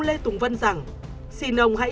lê tùng vân rằng xin ông hãy